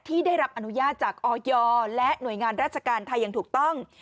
ที่ได้รับอนุญาตจากออยและหน่วยงานราชการไทยอย่างถูกต้อง